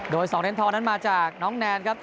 โดย๒เหรียญทองนั้นมาจากน้องแนนครับ